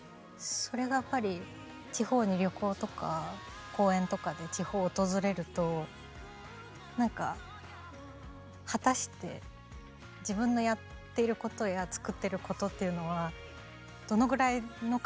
それがやっぱり地方に旅行とか公演とかで地方を訪れると何か果たして自分のやっていることや作っていることっていうのはどのぐらいの方の何をどうできてるんだろうみたいな。